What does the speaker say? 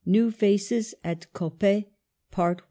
NEW FACES AT COPPET.